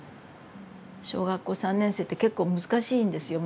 小学校３年生って結構難しいんですよ